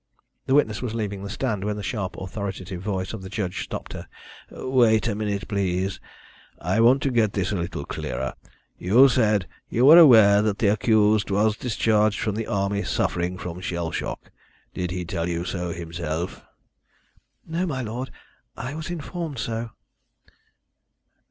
The witness was leaving the stand when the sharp authoritative voice of the judge stopped her. "Wait a minute, please, I want to get this a little clearer. You said you were aware that the accused was discharged from the Army suffering from shell shock. Did he tell you so himself?" "No, my lord. I was informed so."